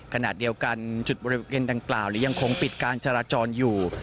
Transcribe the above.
ขณะเดียวกันจุดบริเวณดังกล่าวยังคงปิดการจราจรอยู่